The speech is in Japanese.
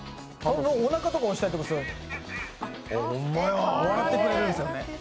おなかとか押すと笑ってくれるんですよね。